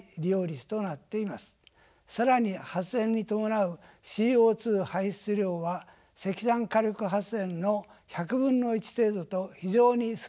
更に発電に伴うＣＯ排出量は石炭火力発電の１００分の１程度と非常に少なくなっています。